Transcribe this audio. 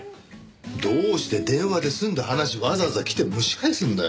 どうして電話で済んだ話わざわざ来て蒸し返すんだよ。